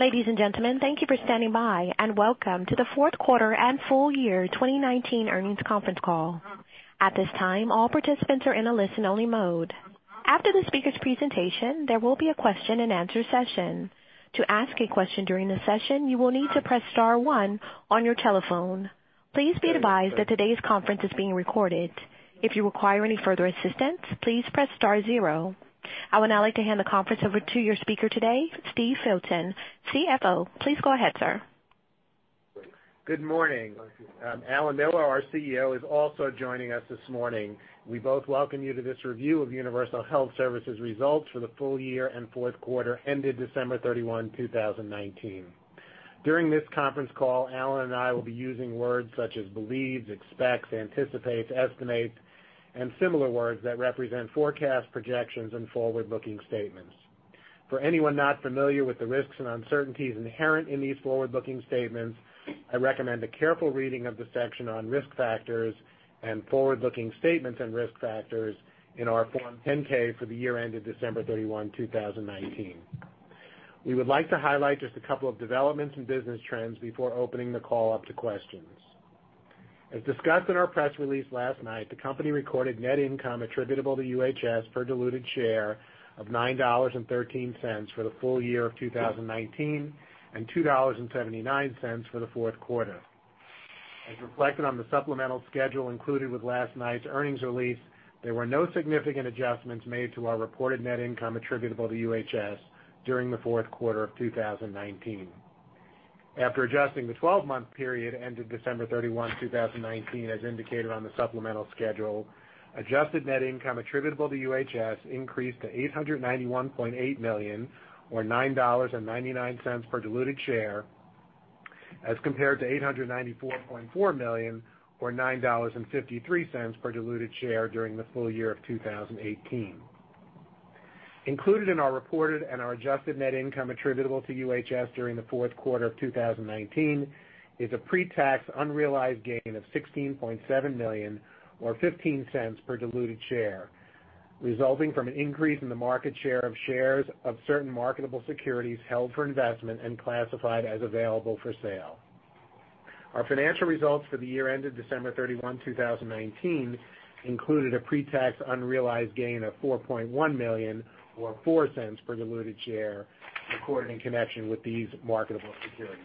Ladies and gentlemen, thank you for standing by, and welcome to the fourth quarter and full year 2019 earnings conference call. At this time, all participants are in a listen-only mode. After the speaker's presentation, there will be a question and answer session. I would now like to hand the conference over to your speaker today, Steve Filton, CFO. Please go ahead, sir. Good morning. Alan Miller, our CEO, is also joining us this morning. We both welcome you to this review of Universal Health Services results for the full year and fourth quarter ended December 31, 2019. During this conference call, Alan and I will be using words such as believes, expects, anticipates, estimates, and similar words that represent forecast projections and forward-looking statements. For anyone not familiar with the risks and uncertainties inherent in these forward-looking statements, I recommend a careful reading of the section on risk factors and forward-looking statements and risk factors in our Form 10-K for the year ended December 31, 2019. We would like to highlight just a couple of developments and business trends before opening the call up to questions. As discussed in our press release last night, the company recorded net income attributable to UHS per diluted share of $9.13 for the full year of 2019, and $2.79 for the fourth quarter. As reflected on the supplemental schedule included with last night's earnings release, there were no significant adjustments made to our reported net income attributable to UHS during the fourth quarter of 2019. After adjusting the 12-month period ended December 31, 2019, as indicated on the supplemental schedule, adjusted net income attributable to UHS increased to $891.8 million, or $9.99 per diluted share, as compared to $894.4 million, or $9.53 per diluted share during the full year of 2018. Included in our reported and our adjusted net income attributable to UHS during the fourth quarter of 2019 is a pre-tax unrealized gain of $16.7 million, or $0.15 per diluted share, resulting from an increase in the market share of shares of certain marketable securities held for investment and classified as available for sale. Our financial results for the year ended December 31, 2019, included a pre-tax unrealized gain of $4.1 million, or $0.04 per diluted share, recorded in connection with these marketable securities.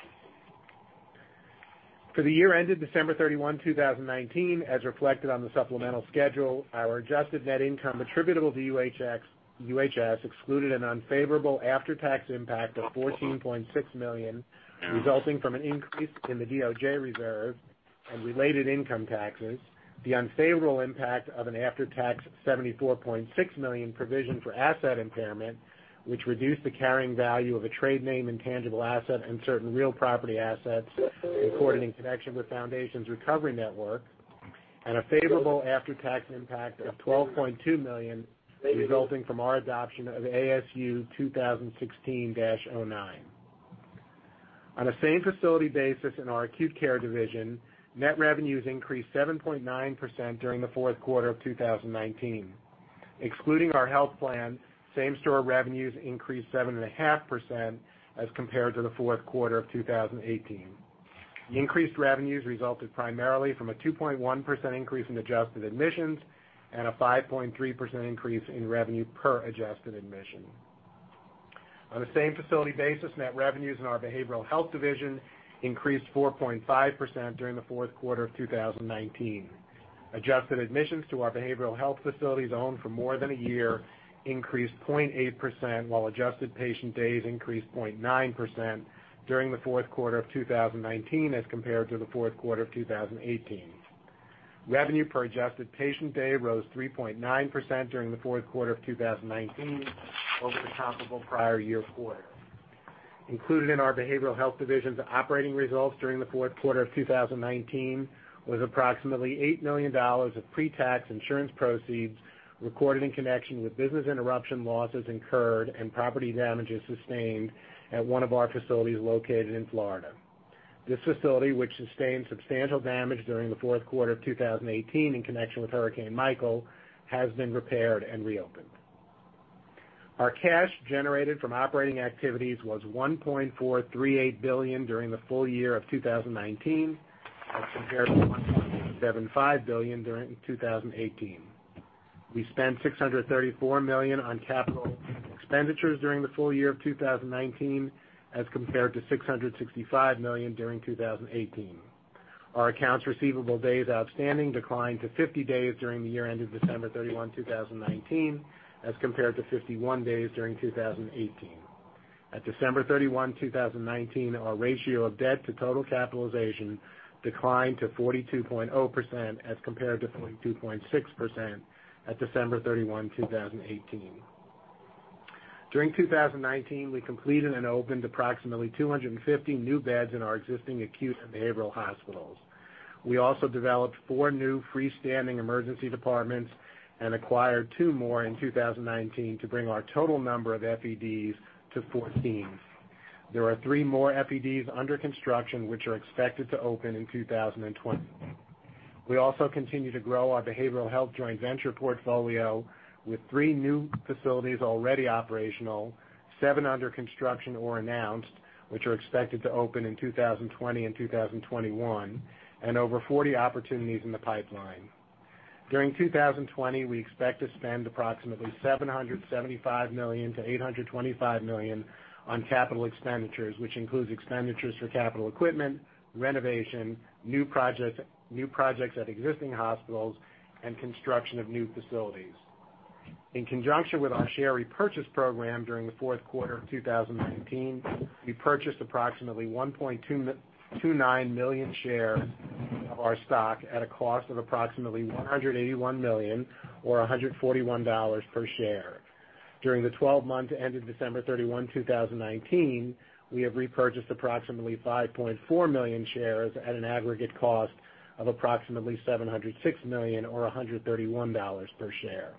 For the year ended December 31, 2019, as reflected on the supplemental schedule, our adjusted net income attributable to UHS excluded an unfavorable after-tax impact of $14.6 million resulting from an increase in the DOJ reserve and related income taxes, the unfavorable impact of an after-tax $74.6 million provision for asset impairment, which reduced the carrying value of a trade name and tangible asset and certain real property assets recorded in connection with Foundations Recovery Network, and a favorable after-tax impact of $12.2 million resulting from our adoption of ASU 2016-09. On a same-facility basis in our acute care division, net revenues increased 7.9% during the fourth quarter of 2019. Excluding our health plan, same-store revenues increased 7.5% as compared to the fourth quarter of 2018. The increased revenues resulted primarily from a 2.1% increase in adjusted admissions and a 5.3% increase in revenue per adjusted admission. On a same-facility basis, net revenues in our behavioral health division increased 4.5% during the fourth quarter of 2019. Adjusted admissions to our behavioral health facilities owned for more than a year increased 0.8%, while adjusted patient days increased 0.9% during the fourth quarter of 2019 as compared to the fourth quarter of 2018. Revenue per adjusted patient day rose 3.9% during the fourth quarter of 2019 over the comparable prior year quarter. Included in our behavioral health division's operating results during the fourth quarter of 2019 was approximately $8 million of pre-tax insurance proceeds recorded in connection with business interruption losses incurred and property damages sustained at one of our facilities located in Florida. This facility, which sustained substantial damage during the fourth quarter of 2018 in connection with Hurricane Michael, has been repaired and reopened. Our cash generated from operating activities was $1.438 billion during the full year of 2019 as compared to $1.75 billion during 2018. We spent $634 million on capital expenditures during the full year of 2019 as compared to $665 million during 2018. Our accounts receivable days outstanding declined to 50 days during the year ended December 31, 2019, as compared to 51 days during 2018. At December 31, 2019, our ratio of debt to total capitalization declined to 42.0% as compared to 42.6% at December 31, 2018. During 2019, we completed and opened approximately 250 new beds in our existing acute and behavioral hospitals. We also developed four new freestanding emergency departments and acquired two more in 2019 to bring our total number of FEDs to 14. There are three more FEDs under construction which are expected to open in 2020. We also continue to grow our behavioral health joint venture portfolio with three new facilities already operational, seven under construction or announced, which are expected to open in 2020 and 2021, and over 40 opportunities in the pipeline. During 2020, we expect to spend approximately $775 million-$825 million on capital expenditures, which includes expenditures for capital equipment, renovation, new projects at existing hospitals, and construction of new facilities. In conjunction with our share repurchase program during the fourth quarter of 2019, we purchased approximately 1.29 million shares of our stock at a cost of approximately $181 million or $141 per share. During the 12 months ended December 31, 2019, we have repurchased approximately 5.4 million shares at an aggregate cost of approximately $706 million or $131 per share.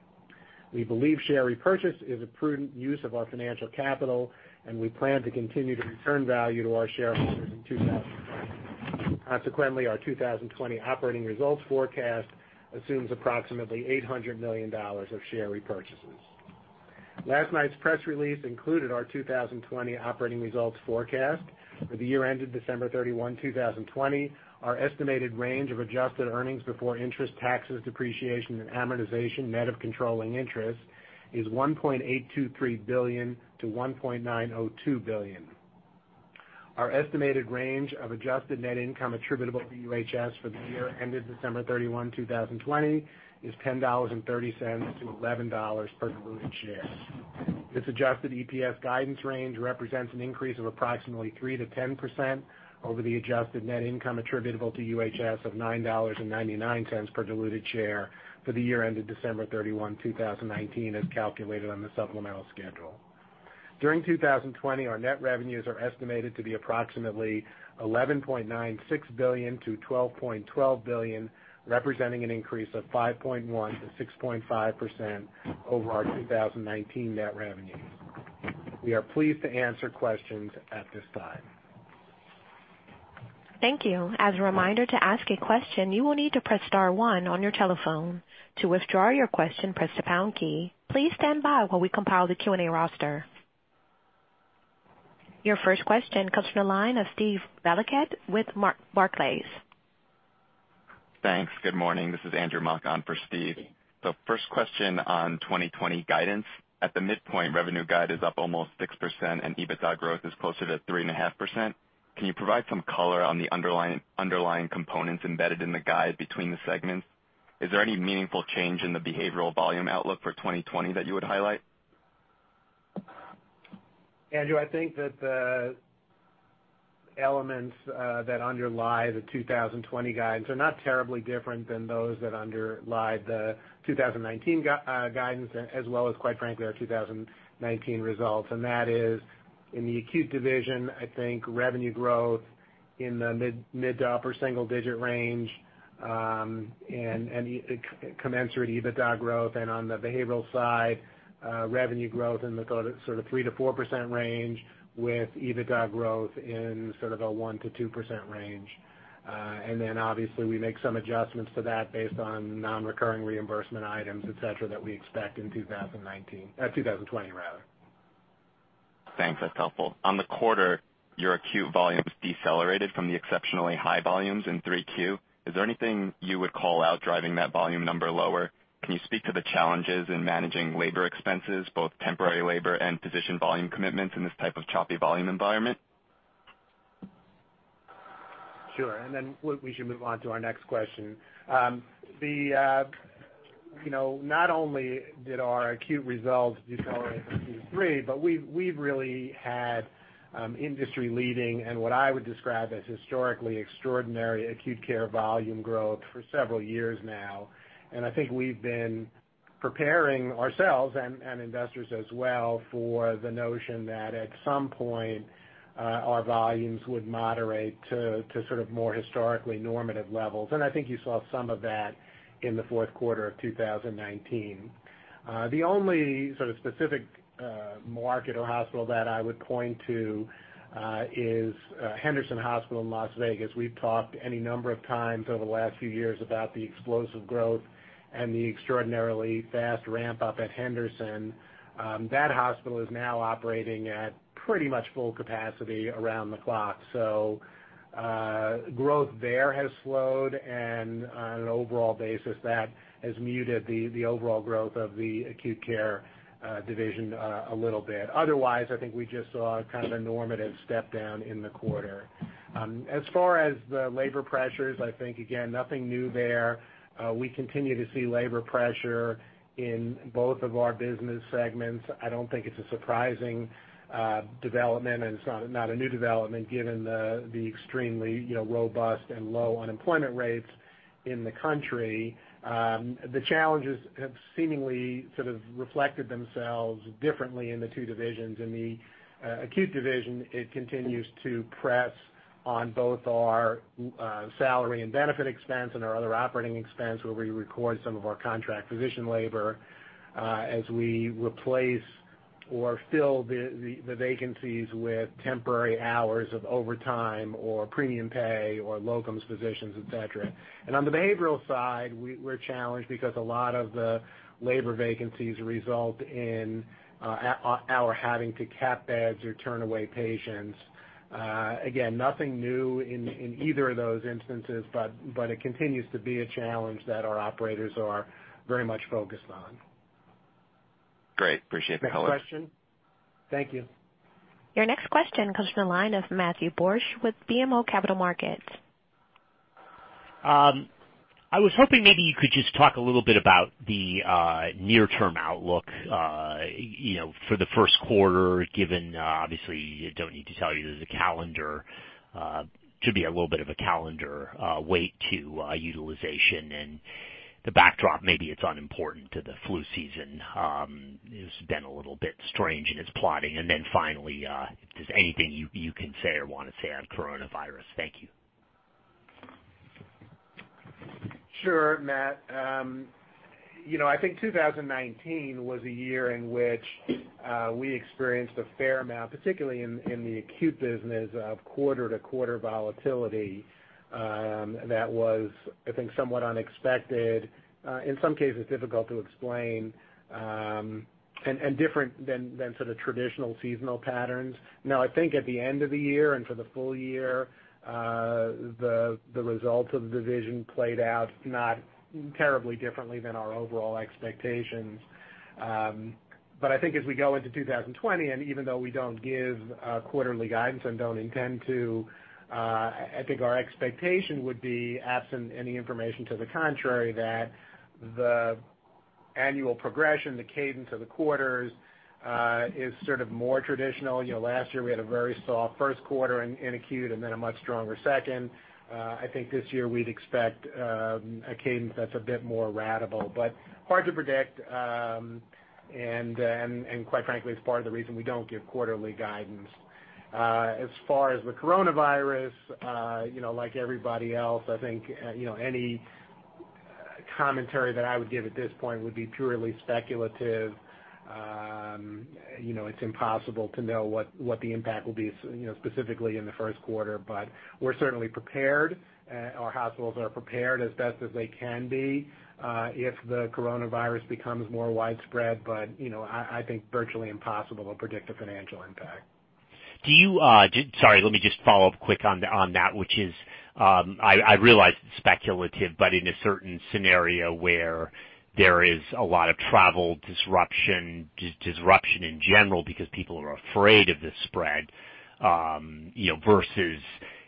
We believe share repurchase is a prudent use of our financial capital. We plan to continue to return value to our shareholders in 2020. Consequently, our 2020 operating results forecast assumes approximately $800 million of share repurchases. Last night's press release included our 2020 operating results forecast for the year ended December 31, 2020. Our estimated range of adjusted earnings before interest, taxes, depreciation, and amortization, net of controlling interest, is $1.823 billion-$1.902 billion. Our estimated range of adjusted net income attributable to UHS for the year ended December 31, 2020, is $10.30-$11 per diluted share. This adjusted EPS guidance range represents an increase of approximately 3%-10% over the adjusted net income attributable to UHS of $9.99 per diluted share for the year ended December 31, 2019, as calculated on the supplemental schedule. During 2020, our net revenues are estimated to be approximately $11.96 billion-$12.12 billion, representing an increase of 5.1%-6.5% over our 2019 net revenues. We are pleased to answer questions at this time. Your first question comes from the line of Steve Valiquette with Barclays. Thanks. Good morning. This is Andrew Mok for Steve. First question on 2020 guidance. At the midpoint, revenue guide is up almost 6%, and EBITDA growth is closer to 3.5%. Can you provide some color on the underlying components embedded in the guide between the segments? Is there any meaningful change in the behavioral volume outlook for 2020 that you would highlight? Andrew, I think that the elements that underlie the 2020 guidance are not terribly different than those that underlie the 2019 guidance, as well as, quite frankly, our 2019 results. That is, in the acute division, I think revenue growth in the mid to upper single-digit range, and commensurate EBITDA growth. On the behavioral side, revenue growth in the sort of 3%-4% range with EBITDA growth in sort of a 1%-2% range. Then obviously, we make some adjustments to that based on non-recurring reimbursement items, et cetera, that we expect in 2020 rather. Thanks. That's helpful. On the quarter, your acute volumes decelerated from the exceptionally high volumes in 3Q. Is there anything you would call out driving that volume number lower? Can you speak to the challenges in managing labor expenses, both temporary labor and position volume commitments in this type of choppy volume environment? Sure. Then we should move on to our next question. Not only did our acute results decelerate in Q3, but we've really had industry-leading and what I would describe as historically extraordinary acute care volume growth for several years now, and I think we've been preparing ourselves and investors as well for the notion that at some point, our volumes would moderate to sort of more historically normative levels. I think you saw some of that in the fourth quarter of 2019. The only sort of specific market or hospital that I would point to is Henderson Hospital in Las Vegas. We've talked any number of times over the last few years about the explosive growth and the extraordinarily fast ramp-up at Henderson. That hospital is now operating at pretty much full capacity around the clock. Growth there has slowed, and on an overall basis, that has muted the overall growth of the acute care division a little bit. Otherwise, I think we just saw kind of a normative step down in the quarter. As far as the labor pressures, I think, again, nothing new there. We continue to see labor pressure in both of our business segments. I don't think it's a surprising development, and it's not a new development given the extremely robust and low unemployment rates in the country. The challenges have seemingly sort of reflected themselves differently in the two divisions. In the acute division, it continues to press on both our salary and benefit expense and our other operating expense, where we record some of our contract physician labor as we replace or fill the vacancies with temporary hours of overtime or premium pay or locums positions, et cetera. On the behavioral side, we're challenged because a lot of the labor vacancies result in our having to cap beds or turn away patients. Again, nothing new in either of those instances, it continues to be a challenge that our operators are very much focused on. Great. Appreciate the color. Next question. Thank you. Your next question comes from the line of Matthew Borsch with BMO Capital Markets. I was hoping maybe you could just talk a little bit about the near-term outlook, for the first quarter, given, obviously, I don't need to tell you there's a calendar, to be a little bit of a calendar weight to utilization and the backdrop, maybe it's unimportant to the flu season. It's been a little bit strange in its plotting, then finally, if there's anything you can say or want to say on coronavirus. Thank you. Sure, Matt. I think 2019 was a year in which we experienced a fair amount, particularly in the acute business, of quarter-to-quarter volatility, that was, I think, somewhat unexpected. In some cases, difficult to explain, and different than sort of traditional seasonal patterns. Now, I think at the end of the year and for the full year, the results of the division played out not terribly differently than our overall expectations. I think as we go into 2020, and even though we don't give quarterly guidance and don't intend to, I think our expectation would be, absent any information to the contrary, that the annual progression, the cadence of the quarters, is sort of more traditional. Last year, we had a very soft first quarter in acute, and then a much stronger second. I think this year we'd expect a cadence that's a bit more ratable. Hard to predict, and quite frankly, it's part of the reason we don't give quarterly guidance. As far as the coronavirus, like everybody else, I think, any commentary that I would give at this point would be purely speculative. It's impossible to know what the impact will be specifically in the first quarter, but we're certainly prepared. Our hospitals are prepared as best as they can be, if the coronavirus becomes more widespread. I think virtually impossible to predict a financial impact. Sorry, let me just follow up quick on that, which is, I realize it's speculative, but in a certain scenario where there is a lot of travel disruption in general, because people are afraid of the spread, versus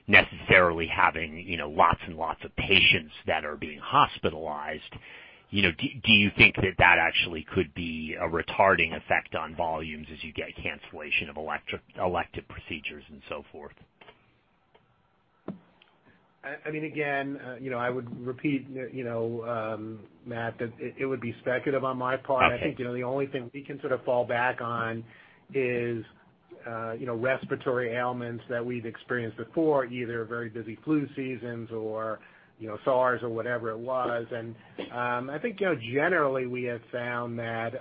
necessarily having lots and lots of patients that are being hospitalized. Do you think that that actually could be a retarding effect on volumes as you get cancellation of elective procedures and so forth? Again, I would repeat, Matt, that it would be speculative on my part. Okay. I think, the only thing we can sort of fall back on is, respiratory ailments that we've experienced before, either very busy flu seasons or SARS or whatever it was. I think, generally, we have found that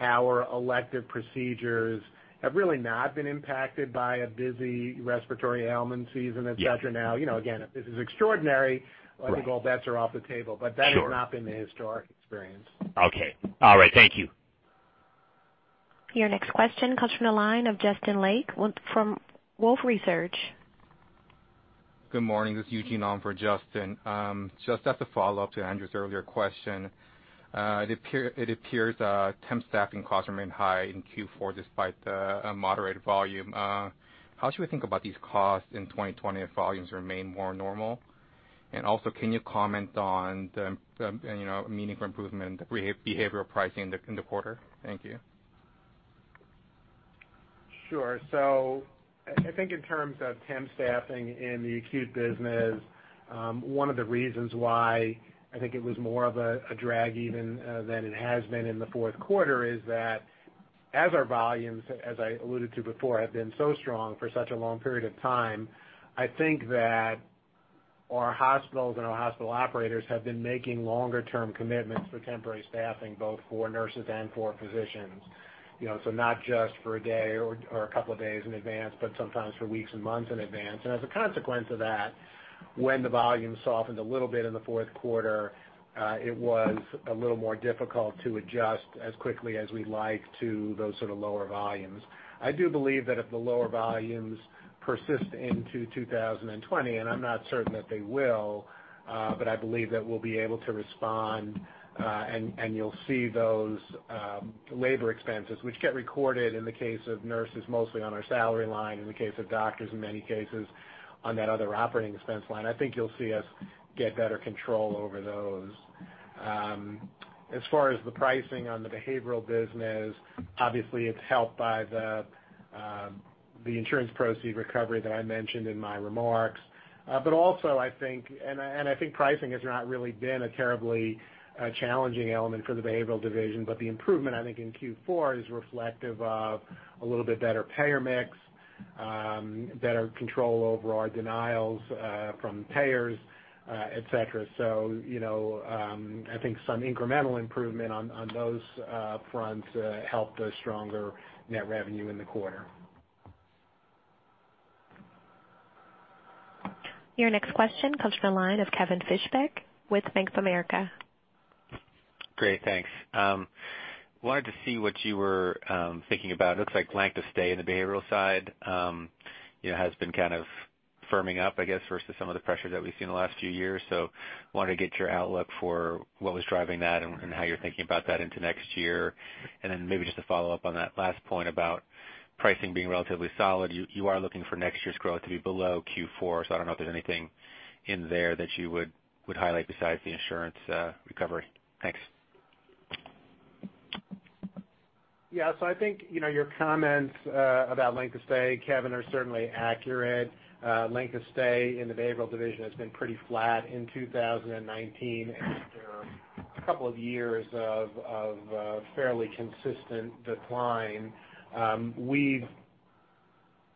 our elective procedures have really not been impacted by a busy respiratory ailment season, et cetera. Yeah. Now, again, if this is extraordinary. Right I think all bets are off the table. Sure. That has not been the historic experience. Okay. All right. Thank you. Your next question comes from the line of Justin Lake from Wolfe Research. Good morning. This is Eugene on for Justin. Just as a follow-up to Andrew's earlier question. It appears temp staffing costs remain high in Q4 despite the moderate volume. How should we think about these costs in 2020 if volumes remain more normal? Also, can you comment on the meaningful improvement behavioral pricing in the quarter? Thank you. Sure. I think in terms of temp staffing in the acute business, one of the reasons why I think it was more of a drag even than it has been in the fourth quarter is that as our volumes, as I alluded to before, have been so strong for such a long period of time, I think that our hospitals and our hospital operators have been making longer-term commitments for temporary staffing, both for nurses and for physicians. Not just for one day or a couple of days in advance, but sometimes for weeks and months in advance. As a consequence of that, when the volume softened a little bit in the fourth quarter, it was a little more difficult to adjust as quickly as we'd like to those sort of lower volumes. I do believe that if the lower volumes persist into 2020, and I'm not certain that they will, but I believe that we'll be able to respond, and you'll see those labor expenses, which get recorded in the case of nurses, mostly on our salary line, in the case of doctors, in many cases, on that other operating expense line. I think you'll see us get better control over those. As far as the pricing on the behavioral business, obviously, it's helped by the insurance proceed recovery that I mentioned in my remarks. Also, I think, and I think pricing has not really been a terribly challenging element for the behavioral division, but the improvement, I think, in Q4 is reflective of a little bit better payer mix, better control over our denials from payers, et cetera. I think some incremental improvement on those fronts helped a stronger net revenue in the quarter. Your next question comes from the line of Kevin Fischbeck with Bank of America. Great, thanks. Wanted to see what you were thinking about. It looks like length of stay in the behavioral side has been kind of firming up, I guess, versus some of the pressure that we've seen in the last few years. Wanted to get your outlook for what was driving that and how you're thinking about that into next year. Maybe just to follow up on that last point about pricing being relatively solid, you are looking for next year's growth to be below Q4, so I don't know if there's anything in there that you would highlight besides the insurance recovery. Thanks. Yeah. I think, your comments about length of stay, Kevin, are certainly accurate. Length of stay in the behavioral division has been pretty flat in 2019 after a couple of years of fairly consistent decline. We've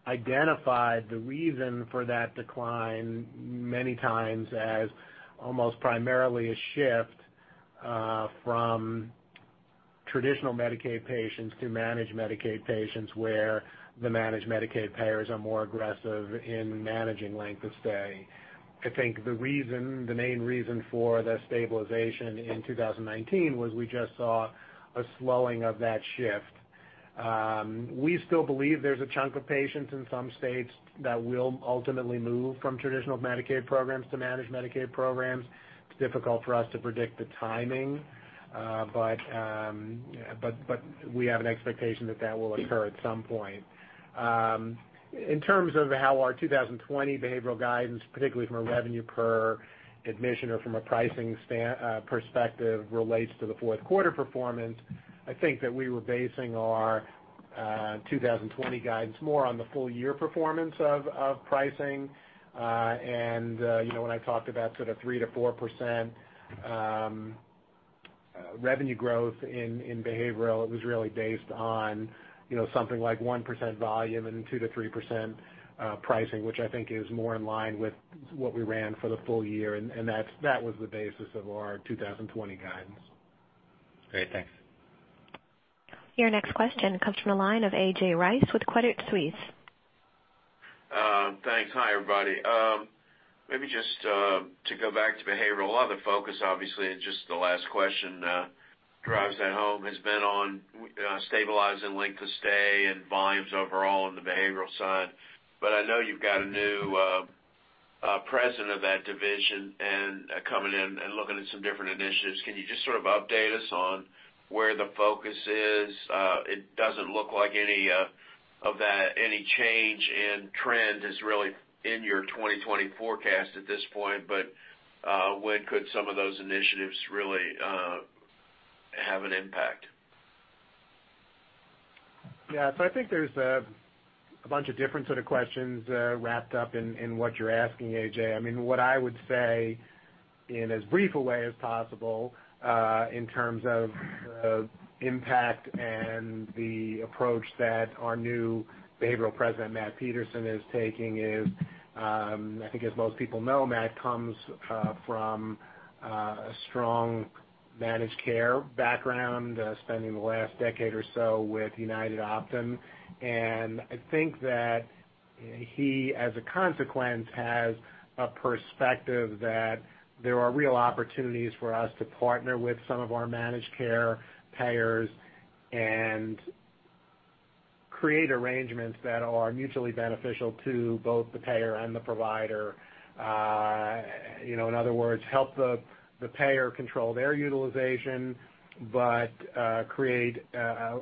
identified the reason for that decline many times as almost primarily a shift from traditional Medicaid patients to managed Medicaid patients, where the managed Medicaid payers are more aggressive in managing length of stay. I think the main reason for the stabilization in 2019 was we just saw a slowing of that shift. We still believe there's a chunk of patients in some states that will ultimately move from traditional Medicaid programs to managed Medicaid programs. It's difficult for us to predict the timing, but we have an expectation that that will occur at some point. In terms of how our 2020 behavioral guidance, particularly from a revenue per admission or from a pricing perspective, relates to the fourth quarter performance, I think that we were basing our 2020 guidance more on the full year performance of pricing. When I talked about sort of 3%-4% revenue growth in behavioral, it was really based on something like 1% volume and 2%-3% pricing, which I think is more in line with what we ran for the full year, and that was the basis of our 2020 guidance. Great. Thanks. Your next question comes from the line of A.J. Rice with Credit Suisse. Thanks. Hi, everybody. Maybe just to go back to behavioral. A lot of the focus, obviously, in just the last question drives that home, has been on stabilizing length of stay and volumes overall in the behavioral side. But I know you've got a new president of that division and coming in and looking at some different initiatives. Can you just sort of update us on where the focus is? It doesn't look like any of that, any change in trend is really in your 2020 forecast at this point, but when could some of those initiatives really have an impact? Yeah. I think there's a bunch of different sort of questions wrapped up in what you're asking, A.J. I mean, what I would say, in as brief a way as possible, in terms of the impact and the approach that our new Behavioral President, Matt Peterson, is taking is, I think as most people know, Matt comes from a strong managed care background, spending the last decade or so with Optum. I think that he, as a consequence, has a perspective that there are real opportunities for us to partner with some of our managed care payers and create arrangements that are mutually beneficial to both the payer and the provider. In other words, help the payer control their utilization, but create a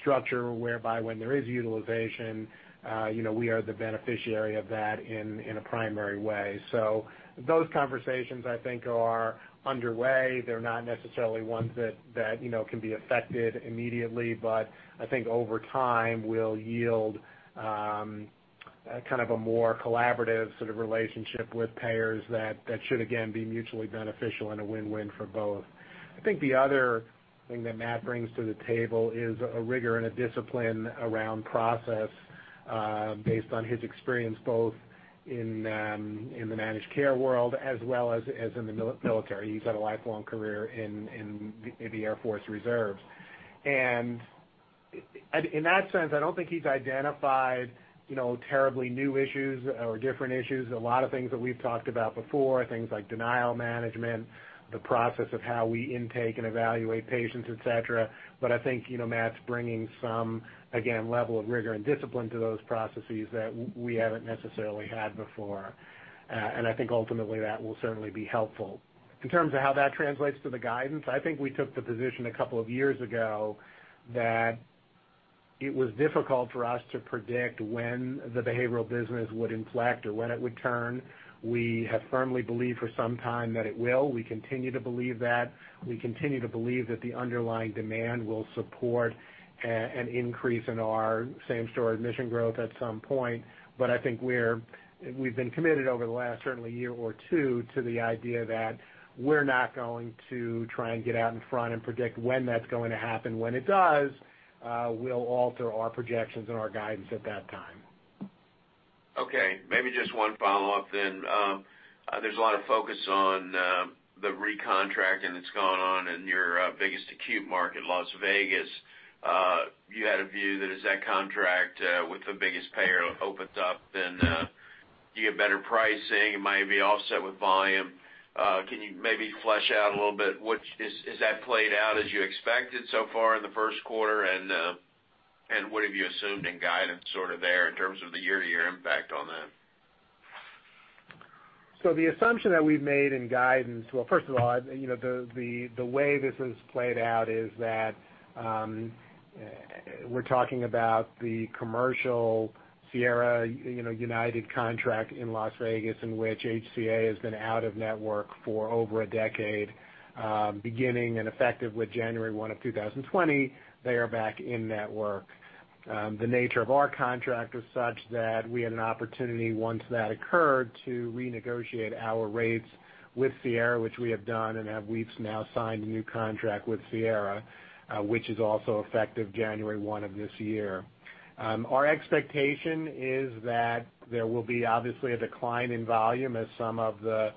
structure whereby when there is utilization, we are the beneficiary of that in a primary way. Those conversations, I think, are underway. They're not necessarily ones that can be affected immediately, but I think over time will yield kind of a more collaborative sort of relationship with payers that should again, be mutually beneficial and a win-win for both. I think the other thing that Matt brings to the table is a rigor and a discipline around process based on his experience, both in the managed care world as well as in the military. He's had a lifelong career in the Air Force Reserve. In that sense, I don't think he's identified terribly new issues or different issues. A lot of things that we've talked about before, things like denial management, the process of how we intake and evaluate patients, et cetera. I think, Matt's bringing some, again, level of rigor and discipline to those processes that we haven't necessarily had before. I think ultimately that will certainly be helpful. In terms of how that translates to the guidance, I think we took the position a couple of years ago that it was difficult for us to predict when the behavioral business would inflect or when it would turn. We have firmly believed for some time that it will. We continue to believe that. We continue to believe that the underlying demand will support an increase in our same-store admission growth at some point. I think we've been committed over the last certainly year or two to the idea that we're not going to try and get out in front and predict when that's going to happen. When it does, we'll alter our projections and our guidance at that time. Okay, maybe just one follow-up then. There's a lot of focus on the recontracting that's gone on-Our biggest acute market, Las Vegas. You had a view that as that contract with the biggest payer opened up, then you get better pricing, it might be offset with volume. Can you maybe flesh out a little bit, has that played out as you expected so far in the first quarter? What have you assumed in guidance sort of there in terms of the year-to-year impact on that? The assumption that we've made in guidance-- Well, first of all, the way this has played out is that, we're talking about the commercial Sierra United contract in Las Vegas, in which HCA has been out-of-network for over a decade. Beginning and effective with January 1 of 2020, they are back in-network. The nature of our contract was such that we had an opportunity once that occurred, to renegotiate our rates with Sierra, which we have done, and We've now signed a new contract with Sierra, which is also effective January 1 of this year. Our expectation is that there will be obviously a decline in volume as some of the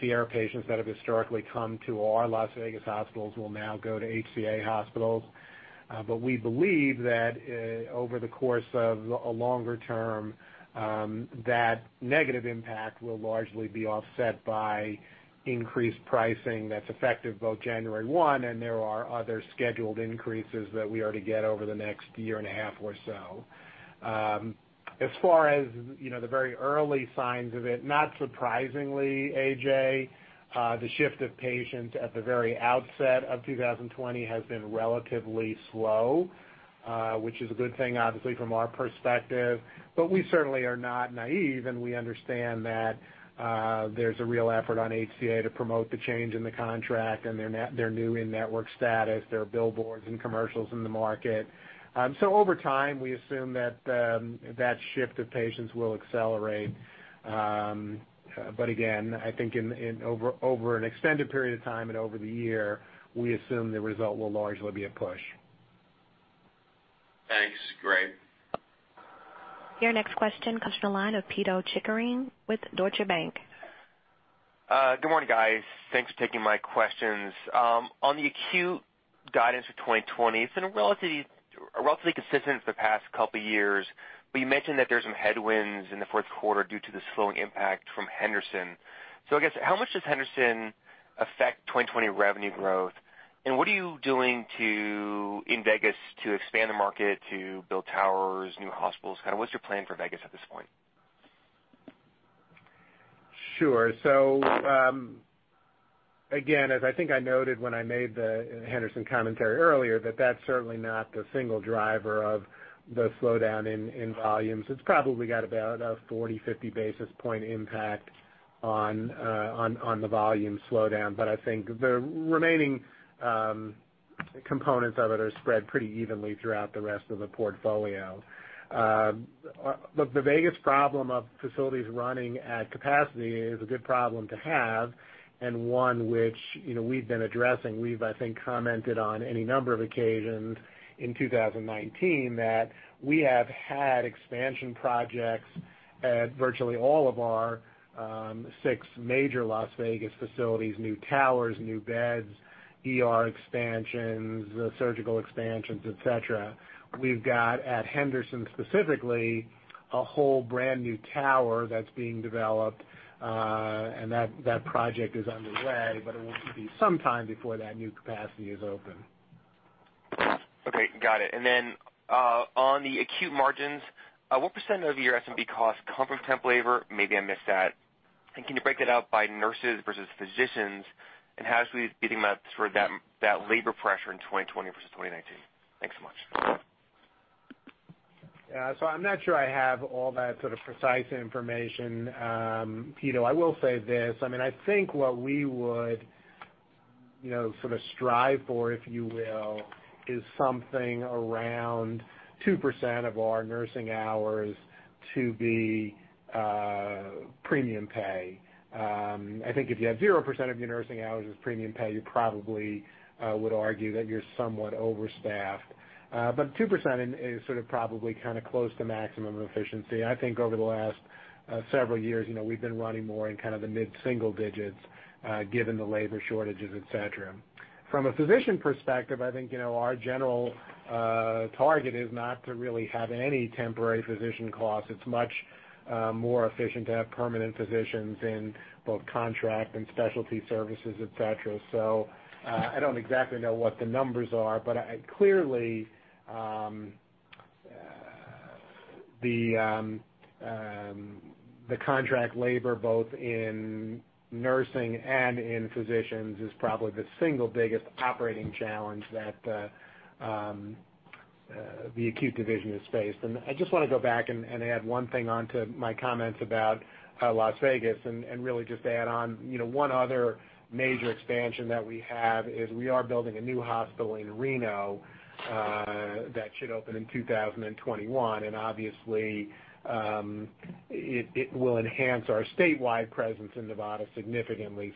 Sierra patients that have historically come to our Las Vegas hospitals will now go to HCA hospitals. We believe that over the course of a longer term, that negative impact will largely be offset by increased pricing that's effective both January 1, and there are other scheduled increases that we are to get over the next year and a half or so. As far as the very early signs of it, not surprisingly, A.J., the shift of patients at the very outset of 2020 has been relatively slow, which is a good thing, obviously from our perspective. We certainly are not naive, and we understand that there's a real effort on HCA to promote the change in the contract and their new in-network status, there are billboards and commercials in the market. Over time, we assume that that shift of patients will accelerate. Again, I think over an extended period of time and over the year, we assume the result will largely be a push. Thanks. Great. Your next question comes from the line of Pito Chickering with Deutsche Bank. Good morning, guys. Thanks for taking my questions. On the acute guidance for 2020, it's been relatively consistent for the past couple of years. You mentioned that there's some headwinds in the fourth quarter due to the slowing impact from Henderson. I guess, how much does Henderson affect 2020 revenue growth? What are you doing in Vegas to expand the market, to build towers, new hospitals? What's your plan for Vegas at this point? Sure. Again, as I think I noted when I made the Henderson commentary earlier, that that's certainly not the single driver of the slowdown in volumes. It's probably got about a 40, 50 basis point impact on the volume slowdown. I think the remaining components of it are spread pretty evenly throughout the rest of the portfolio. Look, the Vegas problem of facilities running at capacity is a good problem to have, and one which we've been addressing. We've, I think, commented on any number of occasions in 2019 that we have had expansion projects at virtually all of our six major Las Vegas facilities, new towers, new beds, ER expansions, surgical expansions, et cetera. We've got at Henderson, specifically, a whole brand new tower that's being developed. That project is underway, but it will be some time before that new capacity is open. Okay. Got it. Then, on the acute margins, what percent of your SWB costs come from temp labor? Maybe I missed that. Can you break it out by nurses versus physicians? How is this beating that labor pressure in 2020 versus 2019? Thanks so much. Yeah. I'm not sure I have all that sort of precise information, Pito. I will say this, I think what we would sort of strive for, if you will, is something around 2% of our nursing hours to be premium pay. I think if you have 0% of your nursing hours as premium pay, you probably would argue that you're somewhat overstaffed. 2% is sort of probably close to maximum efficiency. I think over the last several years, we've been running more in kind of the mid-single digits, given the labor shortages, et cetera. From a physician perspective, I think, our general target is not to really have any temporary physician costs. It's much more efficient to have permanent physicians in both contract and specialty services, et cetera. I don't exactly know what the numbers are, but clearly, the contract labor, both in nursing and in physicians, is probably the single biggest operating challenge that the acute division has faced. I just want to go back and add one thing onto my comments about Las Vegas and really just add on one other major expansion that we have is we are building a new hospital in Reno that should open in 2021. Obviously, it will enhance our statewide presence in Nevada significantly.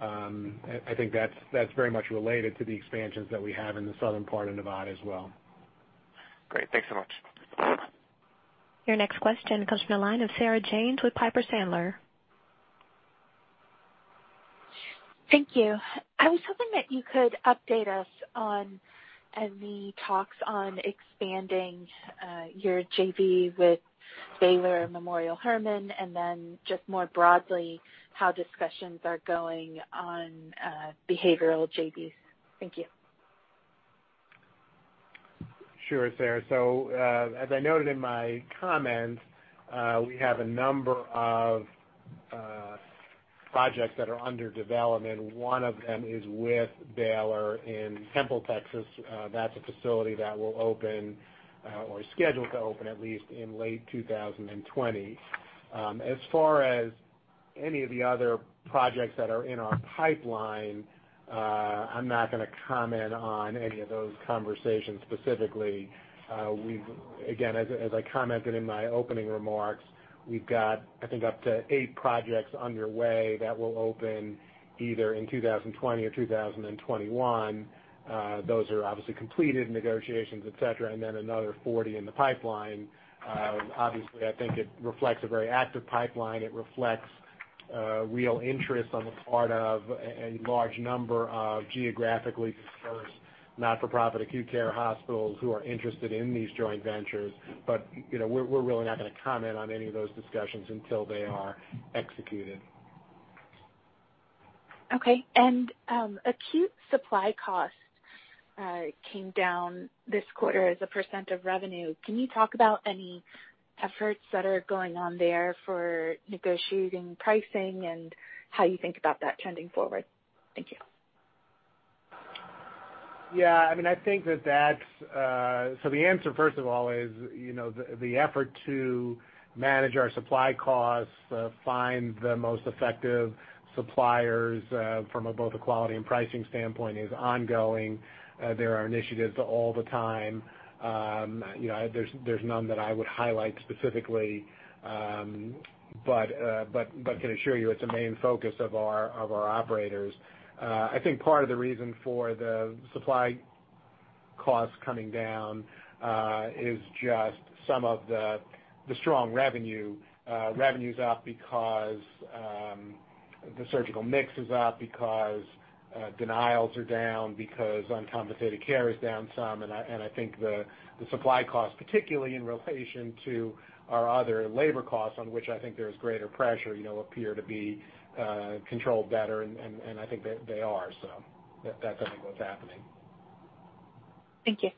I think that's very much related to the expansions that we have in the southern part of Nevada as well. Great. Thanks so much. Your next question comes from the line of Sarah James with Piper Sandler. Thank you. I was hoping that you could update us on any talks on expanding your JV with Baylor Memorial Hermann, and then just more broadly, how discussions are going on behavioral JVs. Thank you. Sure, Sarah. As I noted in my comments, we have a number of projects that are under development. One of them is with Baylor in Temple, Texas. That's a facility that will open, or is scheduled to open at least, in late 2020. As far as any of the other projects that are in our pipeline, I'm not going to comment on any of those conversations specifically. Again, as I commented in my opening remarks, we've got, I think, up to eight projects underway that will open either in 2020 or 2021. Those are obviously completed negotiations, et cetera, and then another 40 in the pipeline. Obviously, I think it reflects a very active pipeline. It reflects real interest on the part of a large number of geographically dispersed, not-for-profit acute care hospitals who are interested in these joint ventures. We're really not going to comment on any of those discussions until they are executed. Okay, acute supply costs came down this quarter as a percent of revenue. Can you talk about any efforts that are going on there for negotiating pricing and how you think about that trending forward? Thank you. Yeah. The answer, first of all, is the effort to manage our supply costs, find the most effective suppliers from both a quality and pricing standpoint, is ongoing. There are initiatives all the time. There's none that I would highlight specifically, but can assure you it's a main focus of our operators. I think part of the reason for the supply costs coming down is just some of the strong revenue. Revenue's up because the surgical mix is up, because denials are down, because uncompensated care is down some. I think the supply costs, particularly in relation to our other labor costs, on which I think there's greater pressure, appear to be controlled better, and I think they are. That's, I think, what's happening. Thank you.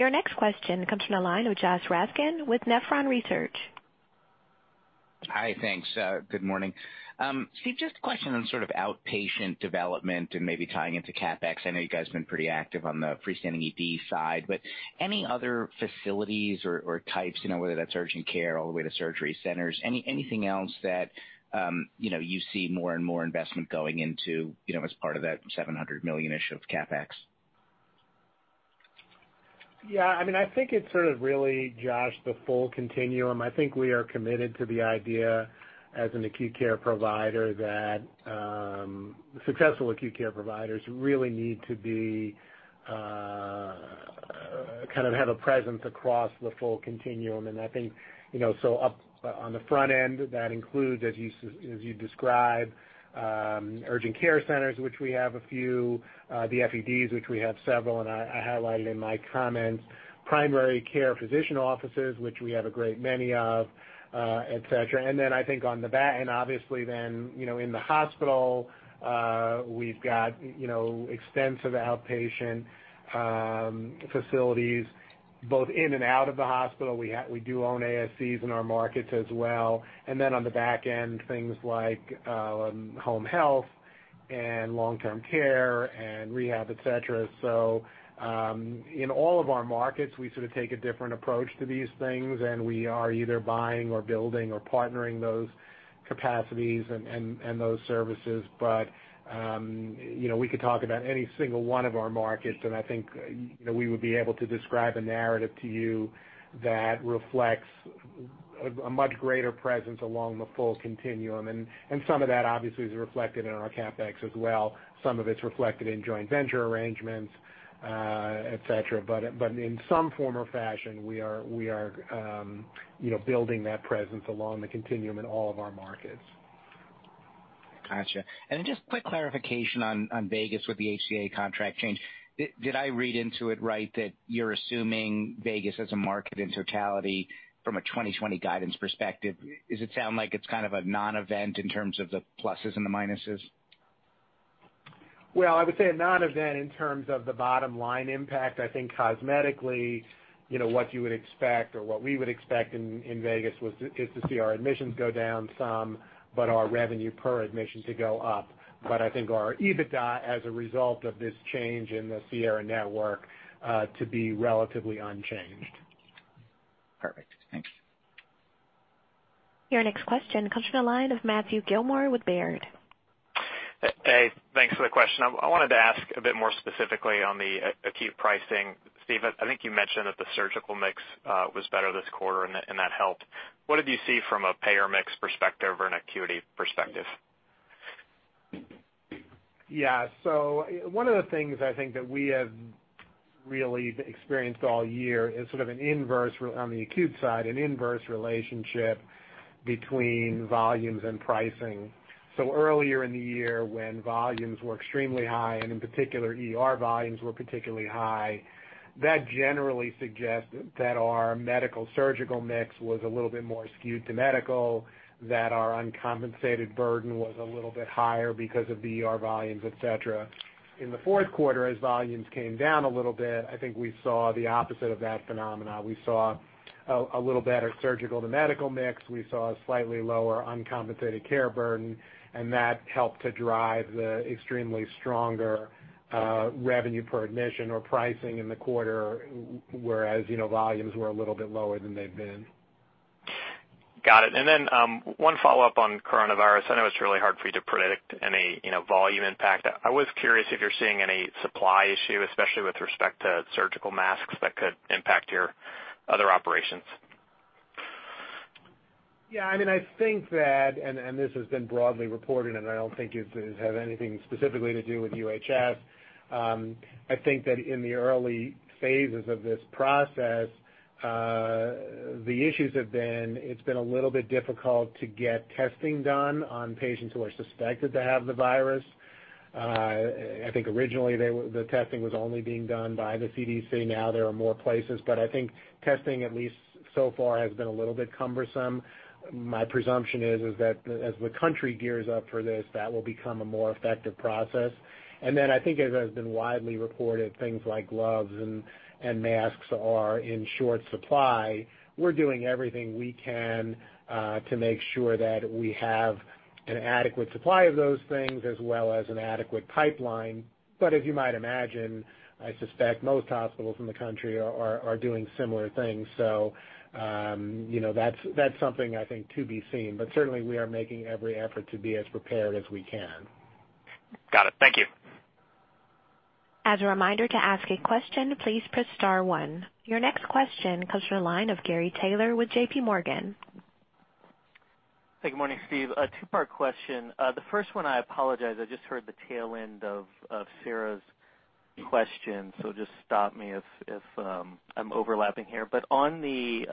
Your next question comes from the line of Josh Raskin with Nephron Research. Hi, thanks. Good morning. Steve, just a question on sort of outpatient development and maybe tying into CapEx. I know you guys have been pretty active on the freestanding ED side, any other facilities or types, whether that's urgent care all the way to surgery centers, anything else that you see more and more investment going into as part of that $700 million-ish of CapEx? I think it's sort of really, Josh, the full continuum. I think we are committed to the idea as an acute care provider that successful acute care providers really need to kind of have a presence across the full continuum. I think, up on the front end, that includes, as you described, urgent care centers, which we have a few, the FEDs, which we have several, and I highlighted in my comments, primary care physician offices, which we have a great many of, et cetera. I think on the back end, obviously then, in the hospital, we've got extensive outpatient facilities both in and out of the hospital. We do own ASCs in our markets as well. On the back end, things like home health and long-term care and rehab, et cetera. In all of our markets, we sort of take a different approach to these things, and we are either buying or building or partnering those capacities and those services. We could talk about any single one of our markets, and I think that we would be able to describe a narrative to you that reflects a much greater presence along the full continuum. Some of that obviously is reflected in our CapEx as well. Some of it's reflected in joint venture arrangements, et cetera. In some form or fashion, we are building that presence along the continuum in all of our markets. Got you. Just quick clarification on Vegas with the HCA contract change. Did I read into it right that you're assuming Vegas as a market in totality from a 2020 guidance perspective? Does it sound like it's kind of a non-event in terms of the pluses and the minuses? Well, I would say a non-event in terms of the bottom line impact. I think cosmetically, what you would expect or what we would expect in Vegas is to see our admissions go down some, but our revenue per admission to go up. I think our EBITDA, as a result of this change in the Sierra network, to be relatively unchanged. Perfect. Thanks. Your next question comes from the line of Matthew Gillmor with Baird. Hey. Thanks for the question. I wanted to ask a bit more specifically on the acute pricing. Steve, I think you mentioned that the surgical mix was better this quarter, and that helped. What did you see from a payer mix perspective or an acuity perspective? One of the things I think that we have really experienced all year is sort of on the acute side, an inverse relationship between volumes and pricing. Earlier in the year, when volumes were extremely high, and in particular, ER volumes were particularly high, that generally suggests that our medical surgical mix was a little bit more skewed to medical, that our uncompensated burden was a little bit higher because of the ER volumes, et cetera. In the fourth quarter, as volumes came down a little bit, I think we saw the opposite of that phenomena. We saw a little better surgical to medical mix. We saw a slightly lower uncompensated care burden, and that helped to drive the extremely stronger revenue per admission or pricing in the quarter, whereas volumes were a little bit lower than they've been. Got it. One follow-up on coronavirus. I know it's really hard for you to predict any volume impact. I was curious if you're seeing any supply issue, especially with respect to surgical masks, that could impact your other operations. Yeah, I think that, this has been broadly reported, and I don't think it has anything specifically to do with UHS. I think that in the early phases of this process, the issues have been, it's been a little bit difficult to get testing done on patients who are suspected to have the virus. I think originally, the testing was only being done by the CDC. Now there are more places. I think testing, at least so far, has been a little bit cumbersome. My presumption is that as the country gears up for this, that will become a more effective process. I think, as has been widely reported, things like gloves and masks are in short supply. We're doing everything we can to make sure that we have an adequate supply of those things as well as an adequate pipeline. As you might imagine, I suspect most hospitals in the country are doing similar things. That's something I think to be seen, but certainly we are making every effort to be as prepared as we can. Got it. Thank you. Your next question comes from the line of Gary Taylor with JPMorgan. Good morning, Steve. A two-part question. The first one, I apologize, I just heard the tail end of Sarah's question, so just stop me if I'm overlapping here. On the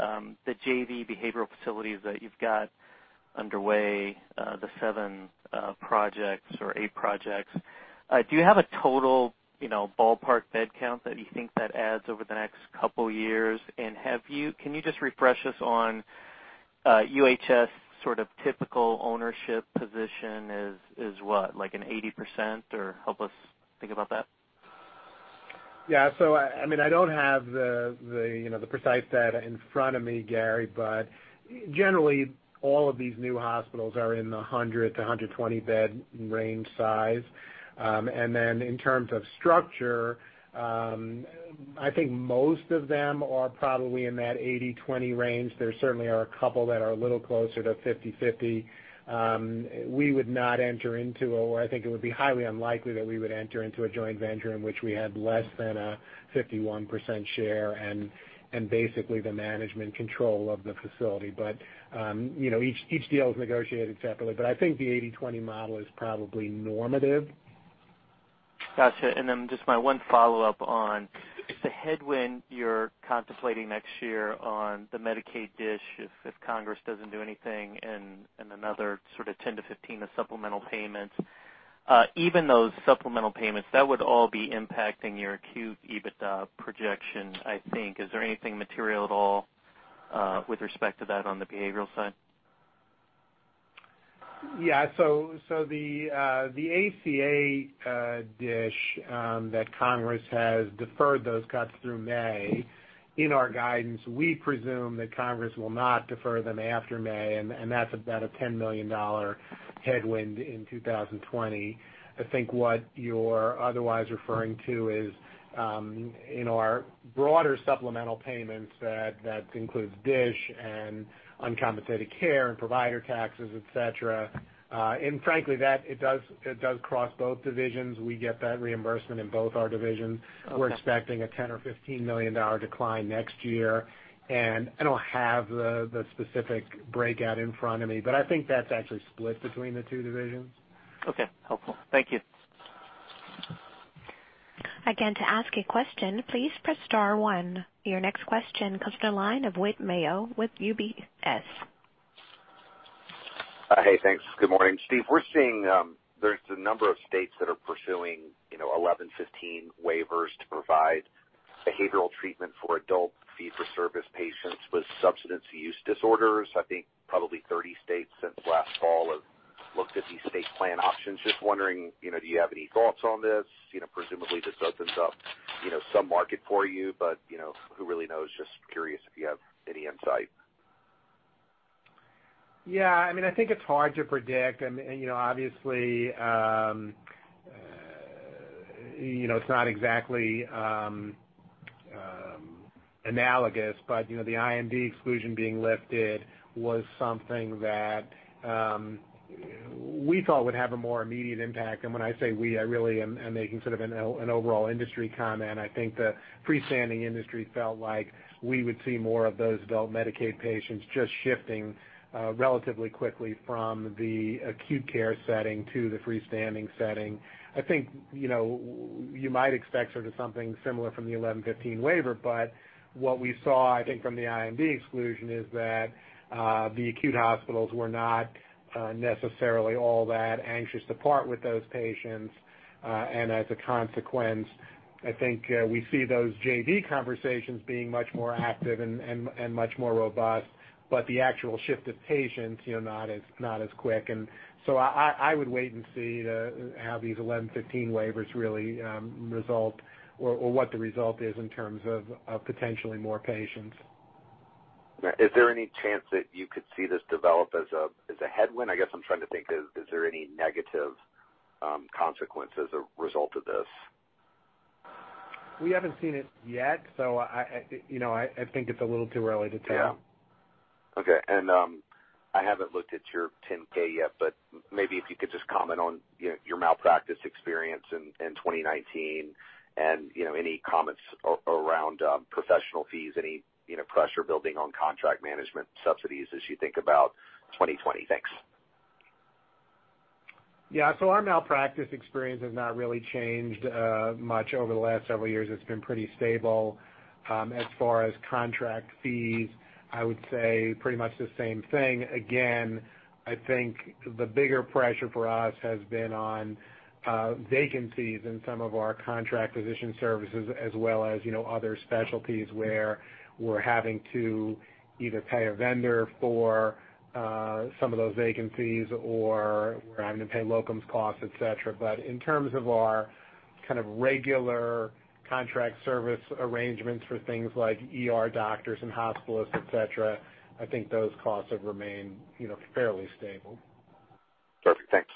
JV behavioral facilities that you've got underway, the seven projects or eight projects, do you have a total ballpark bed count that you think that adds over the next couple of years? Can you just refresh us on, UHS sort of typical ownership position is what? Like an 80% or help us think about that. Yeah. I don't have the precise data in front of me, Gary, but generally, all of these new hospitals are in the 100/120-bed range size. In terms of structure, I think most of them are probably in that 80/20 range. There certainly are a couple that are a little closer to 50/50. We would not enter into, or I think it would be highly unlikely that we would enter into a joint venture in which we had less than a 51% share and basically the management control of the facility. Each deal is negotiated separately, but I think the 80/20 model is probably normative. Got you. Just my one follow-up on the headwind you're contemplating next year on the Medicaid DSH, if Congress doesn't do anything and another sort of 10-15 of supplemental payments. Even those supplemental payments, that would all be impacting your acute EBITDA projection, I think. Is there anything material at all, with respect to that on the behavioral side? Yeah. The ACA DSH, that Congress has deferred those cuts through May. In our guidance, we presume that Congress will not defer them after May, and that's about a $10 million headwind in 2020. I think what you're otherwise referring to is, in our broader supplemental payments that includes DSH and uncompensated care and provider taxes, et cetera. Frankly, it does cross both divisions. We get that reimbursement in both our divisions. Okay. We're expecting a $10 million or $15 million decline next year, and I don't have the specific breakout in front of me, but I think that's actually split between the two divisions. Okay. Helpful. Thank you. Again, to ask a question, please press star one. Your next question comes from the line of Whit Mayo with UBS. Hey, thanks. Good morning, Steve. We're seeing there's a number of states that are pursuing 1115 waivers to provide behavioral treatment for adult fee for service patients with substance use disorders. I think probably 30 states since last fall have looked at these state plan options. Just wondering, do you have any thoughts on this? Presumably, this opens up some market for you, but who really knows? Just curious if you have any insight. Yeah, I think it's hard to predict. Obviously, it's not exactly analogous, but the IMD exclusion being lifted was something that we thought would have a more immediate impact. When I say we, I really am making sort of an overall industry comment. I think the freestanding industry felt like we would see more of those adult Medicaid patients just shifting relatively quickly from the acute care setting to the freestanding setting. I think you might expect something similar from the 1115 waiver, but what we saw, I think, from the IMD exclusion is that the acute hospitals were not necessarily all that anxious to part with those patients. As a consequence, I think we see those JV conversations being much more active and much more robust, but the actual shift of patients, not as quick. I would wait and see how these 1115 waivers really result or what the result is in terms of potentially more patients. Is there any chance that you could see this develop as a headwind? I guess I'm trying to think, is there any negative consequences or result of this? We haven't seen it yet. I think it's a little too early to tell. Yeah. Okay. I haven't looked at your 10-K yet, but maybe if you could just comment on your malpractice experience in 2019 and any comments around professional fees, any pressure building on contract management subsidies as you think about 2020. Thanks. Yeah. Our malpractice experience has not really changed much over the last several years. It's been pretty stable. As far as contract fees, I would say pretty much the same thing. Again, I think the bigger pressure for us has been on vacancies in some of our contract position services as well as other specialties where we're having to either pay a vendor for some of those vacancies, or we're having to pay locums costs, et cetera. In terms of our kind of regular contract service arrangements for things like ER doctors and hospitalists, et cetera, I think those costs have remained fairly stable. Perfect. Thanks.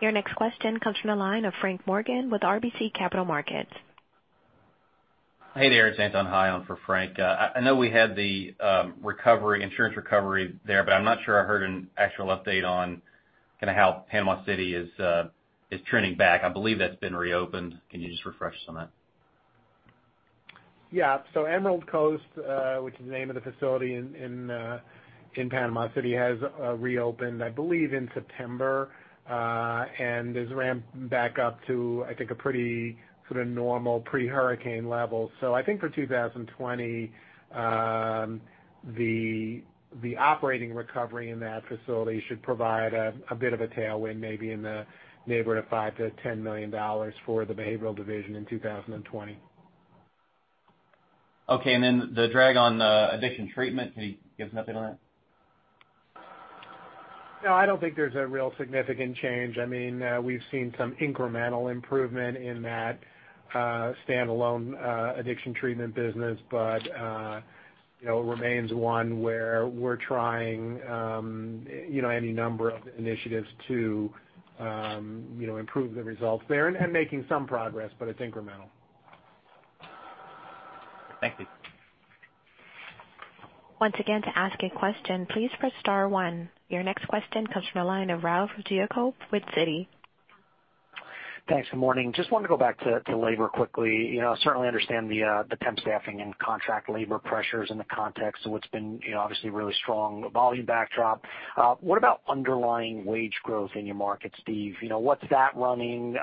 Your next question comes from the line of Frank Morgan with RBC Capital Markets. Hey there, it's Anton Hie on for Frank. I know we had the insurance recovery there, I'm not sure I heard an actual update on kind of how Panama City is trending back. I believe that's been reopened. Can you just refresh us on that? Emerald Coast, which is the name of the facility in Panama City, has reopened, I believe, in September, and has ramped back up to, I think, a pretty sort of normal pre-hurricane level. I think for 2020, the operating recovery in that facility should provide a bit of a tailwind, maybe in the neighborhood of $5 million-$10 million for the Behavioral Division in 2020. Okay, the drag on addiction treatment, can you give us an update on that? No, I don't think there's a real significant change. We've seen some incremental improvement in that standalone addiction treatment business, but it remains one where we're trying any number of initiatives to improve the results there and making some progress, but it's incremental. Thank you. Your next question comes from the line of Ralph Giacobbe with Citi. Thanks, good morning. Just wanted to go back to labor quickly. Certainly understand the temp staffing and contract labor pressures in the context of what's been obviously a really strong volume backdrop. What about underlying wage growth in your markets, Steve? What's that running?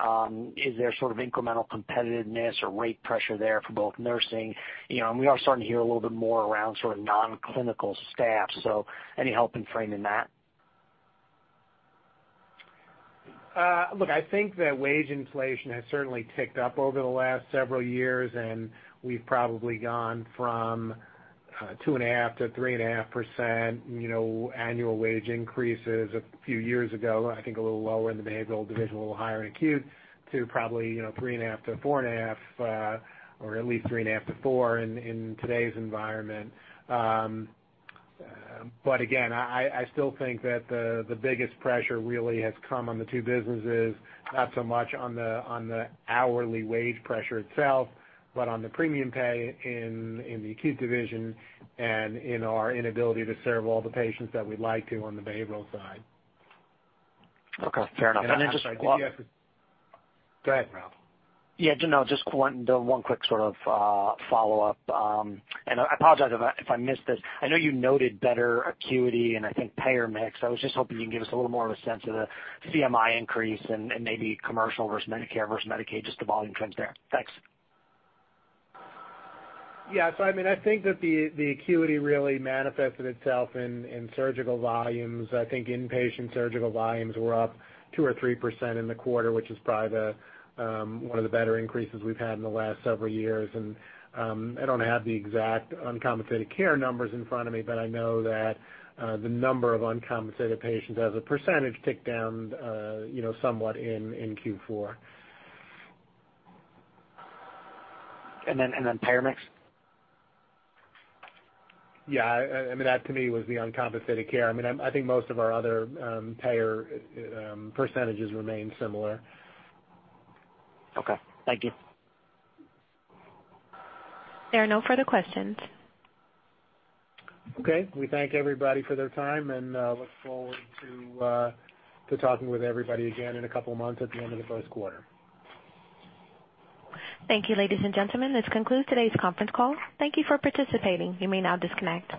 Is there sort of incremental competitiveness or rate pressure there for both nursing? We are starting to hear a little bit more around sort of non-clinical staff, so any help in framing that? Look, I think that wage inflation has certainly ticked up over the last several years, we've probably gone from 2.5%-3.5% annual wage increases a few years ago, I think a little lower in the behavioral division, a little higher in acute, to probably, 3.5%-4.5%, or at least 3.5%-4% in today's environment. Again, I still think that the biggest pressure really has come on the two businesses, not so much on the hourly wage pressure itself, but on the premium pay in the acute division and in our inability to serve all the patients that we'd like to on the behavioral side. Okay, fair enough. Go ahead, Ralph. Yeah, just one quick sort of follow-up. I apologize if I missed it. I know you noted better acuity and I think payer mix. I was just hoping you can give us a little more of a sense of the CMI increase and maybe commercial versus Medicare versus Medicaid, just the volume trends there. Thanks. Yeah. I think that the acuity really manifested itself in surgical volumes. I think inpatient surgical volumes were up 2% or 3% in the quarter, which is probably one of the better increases we've had in the last several years. I don't have the exact uncompensated care numbers in front of me, but I know that the number of uncompensated patients as a percentage ticked down somewhat in Q4. Payer mix? Yeah. That to me was the uncompensated care. I think most of our other payer percentages remain similar. Okay. Thank you. There are no further questions. Okay. We thank everybody for their time and look forward to talking with everybody again in a couple of months at the end of the first quarter. Thank you, ladies and gentlemen. This concludes today's conference call. Thank you for participating. You may now disconnect.